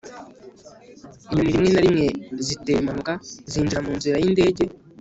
inyoni rimwe na rimwe zitera impanuka zinjira munzira zindege